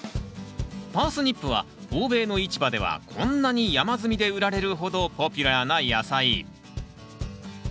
パースニップは欧米の市場ではこんなに山積みで売られるほどポピュラーな野菜。